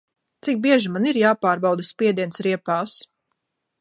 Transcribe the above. Cik bieži man ir jāpārbauda spiediens riepās?